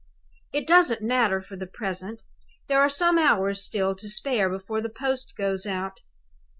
It doesn't matter for the present; there are some hours still to spare before the post goes out.